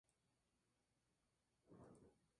Kim es la medio-hermana menor del actor Kim Soo-hyun.